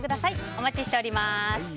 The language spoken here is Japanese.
お待ちしております。